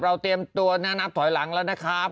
เตรียมตัวนะนับถอยหลังแล้วนะครับ